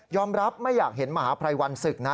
อมรับไม่อยากเห็นมหาภัยวันศึกนะ